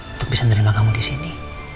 untuk bisa menerima kamu disini